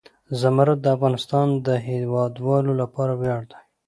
زمرد د افغانستان د هیوادوالو لپاره ویاړ دی.